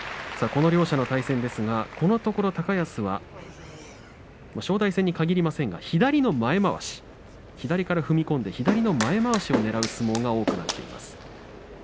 この両者の対戦ですがこのところ左の前まわし左から踏み込んで左の前まわしをねらう相撲が多くなっています。